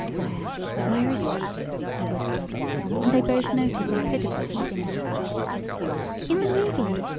"Where where is it?" he whispered, and they both noted his pitiful eagerness. "In the movies!"